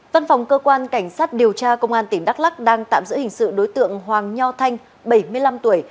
văn phòng cơ quan cảnh sát điều tra công an tỉnh đắk lắc đang tạm giữ hình sự đối tượng hoàng nho thanh bảy mươi năm tuổi